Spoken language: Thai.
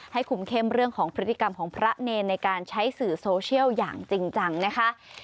คุมเข้มเรื่องของพฤติกรรมของพระเนรในการใช้สื่อโซเชียลอย่างจริงจังนะคะ